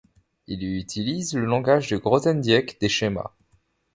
Il y utilise le langage de Grothendieck des schémas.